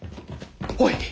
おい！